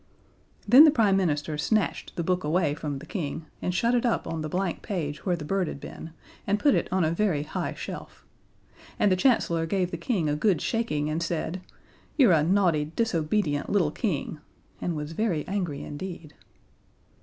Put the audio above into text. Then the Prime Minister snatched the book away from the King and shut it up on the blank page where the bird had been, and put it on a very high shelf. And the Chancellor gave the King a good shaking, and said: "You're a naughty, disobedient little King!" and was very angry indeed.